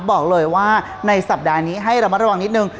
บอกเลยว่าในสัปดาห์นี้ให้ระมัดระวังนิดนึง